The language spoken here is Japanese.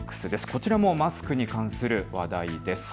こちらもマスクに関する話題です。